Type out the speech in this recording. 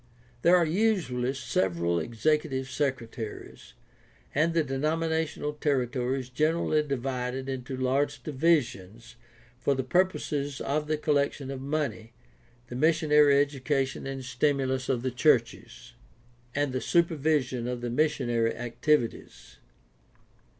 There are usually several executive secretaries, and the denominational territory is generally divided into large divisions for the purposes of the collection of money, the mis sionary education and stimulus of the churches, and the super vision of the missionary activities.